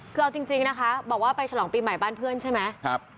คือเอาจริงนะคะบอกว่าไปฉลองปีใหม่บ้านเพื่อนใช่ไหม